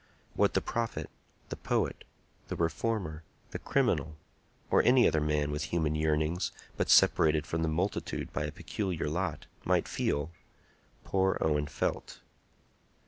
What the prophet, the poet, the reformer, the criminal, or any other man with human yearnings, but separated from the multitude by a peculiar lot, might feel, poor Owen felt.